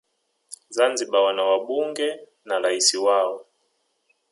zanzibar wana wabunge na rais wao